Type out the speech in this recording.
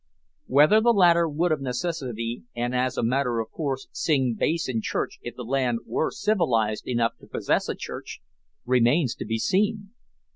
Whether the latter would of necessity, and as a matter of course, sing bass in church if the land were civilised enough to possess a church, remains to be seen!